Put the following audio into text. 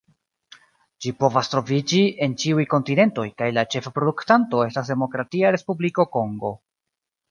Ĝi povas troviĝi en ĉiuj kontinentoj, kaj la ĉefa produktanto estas Demokratia Respubliko Kongo.